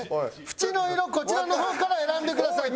フチの色こちらの方から選んでください。